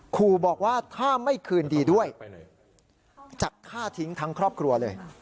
ขู่บอกว่าถ้าไม่คืนดีด้วยจะฆ่าทิ้งทั้งครอบครัวเลย